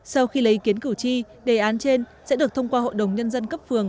sau khi lấy ý kiến cử tri đề án trên sẽ được thông qua hội đồng nhân dân cấp phường